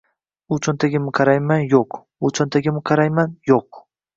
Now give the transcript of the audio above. U cho‘ntagimni qarayman — yo‘q, bu cho‘ntagimni qarayman — yo‘q.